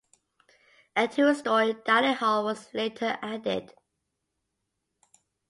A two-storey dining hall was later added.